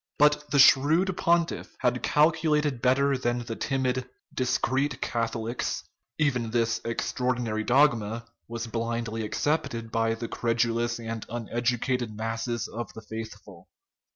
But the shrewd pontiff had calculated better than the timid " discreet Catholics ": even this extraordinary dogma was blindly accepted by the credulous and uneducated masses of the faithful.